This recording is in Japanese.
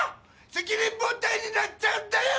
責任問題になっちゃうんだよ！